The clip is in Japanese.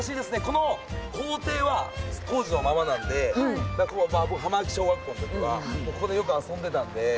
この校庭は当時のままなんでここが浜脇小学校の時はここでよく遊んでたんで。